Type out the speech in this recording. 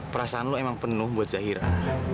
perasaan kamu memang penuh untuk zahira